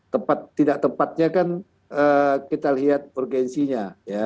tepat tidak tepatnya kan kita lihat urgensinya